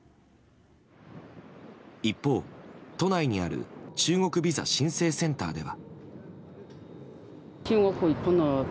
一方、都内にある中国ビザ申請センターでは。